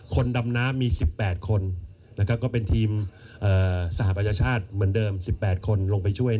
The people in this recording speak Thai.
ดำน้ำมี๑๘คนก็เป็นทีมสหประชาชาติเหมือนเดิม๑๘คนลงไปช่วย